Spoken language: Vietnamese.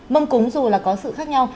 mong cúng dù là có sự khác nhau